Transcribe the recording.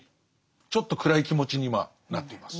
ちょっと暗い気持ちに今なっています。